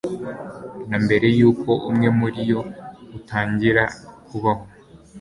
na mbere yuko umwe muri yo utangira kubaho